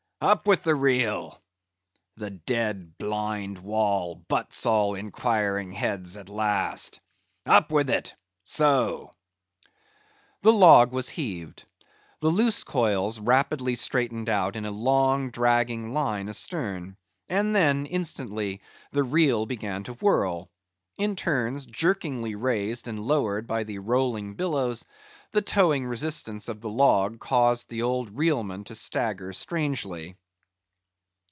Up with the reel! The dead, blind wall butts all inquiring heads at last. Up with it! So." The log was heaved. The loose coils rapidly straightened out in a long dragging line astern, and then, instantly, the reel began to whirl. In turn, jerkingly raised and lowered by the rolling billows, the towing resistance of the log caused the old reelman to stagger strangely.